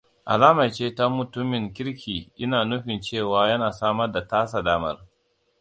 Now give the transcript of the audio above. Alama ce ta mutumin kirki ina nufin cewa yana samar da tasa damar.